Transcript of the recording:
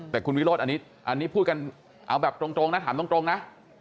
แต่คุณวิโรธอันนี้พูดกันเอาแบบตรงนะถามตรงนะ